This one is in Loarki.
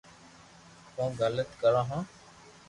ڪو ھون علط ڪرو ھون